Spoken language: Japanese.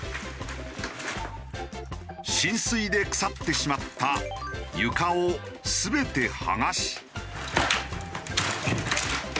浸水で腐ってしまった床を全て剥がし。